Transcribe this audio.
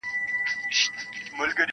څو څو ځله کښته پورته وروسته وړاندي-